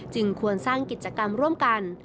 ควรสร้างกิจกรรมร่วมกัน